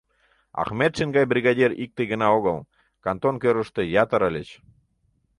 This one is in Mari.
Ахметшин гай бригадир икте гына огыл, кантон кӧргыштӧ ятыр ыльыч.